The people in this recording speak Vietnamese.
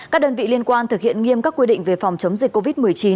các đơn vị liên quan thực hiện nghiêm các quy định về phòng chống dịch covid một mươi chín